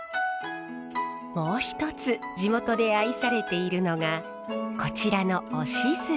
もう一つ地元で愛されているのがこちらの押しずし。